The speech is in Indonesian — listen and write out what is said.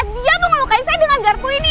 dia mau ngelukain saya dengan garpu ini